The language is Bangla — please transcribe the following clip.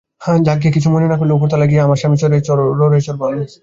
যাকগে, কিছু মনে না করলে, উপরতলায় গিয়ে আমার স্বামীর রডে চড়বো আমি।